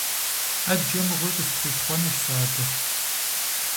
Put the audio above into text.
Ӏэджэ мыгъуи къыстритхъуэнущ сэ абы.